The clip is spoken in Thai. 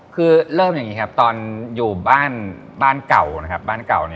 คือเริ่มอย่างนี้ครับตอนอยู่บ้านเก่านะครับบ้านเก่า